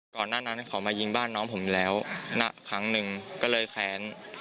ก่อนหน้าน้อยก็ประมาณ๔๕วัน